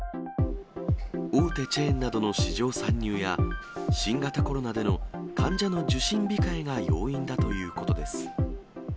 大手チェーンなどの市場参入や、新型コロナでの患者の受診控えが要因だということです。